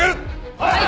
はい！